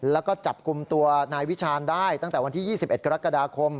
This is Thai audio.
แล้วก็จับกลุ่มตัวนายวิชาณได้ตั้งแต่วันที่๒๑กรกฎาคม